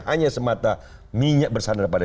hanya semata minyak bersandar pada